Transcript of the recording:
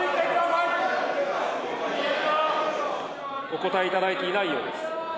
お答えいただいていないようです。